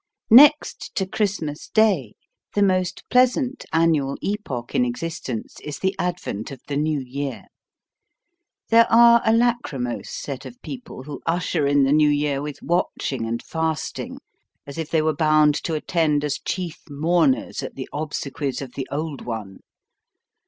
NEXT to Christmas Day, the most pleasant annual epoch in existence is the advent of the New Year. There are a lachrymose set of people who usher in the New Year with watching and fasting, as if they were bound to attend us chief mourners at the obsequies of the old The House with the Green Blinds. 167 one.